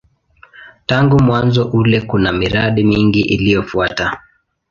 Tangu mwanzo ule kuna miradi mingi iliyofuata.